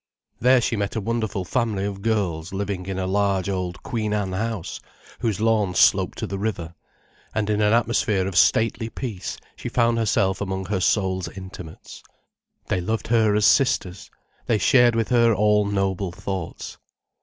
There she met a wonderful family of girls living in a large old Queen Anne house, whose lawns sloped to the river, and in an atmosphere of stately peace she found herself among her soul's intimates. They loved her as sisters, they shared with her all noble thoughts.